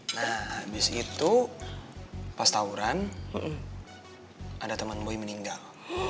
nah habis itu pas tauran ada teman boy meninggal